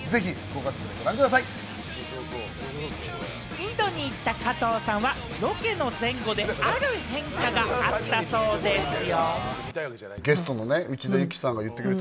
インドに行った加藤さんはロケの前後である変化があったそうですよ。